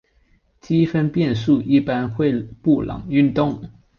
积分变数一般会布朗运动。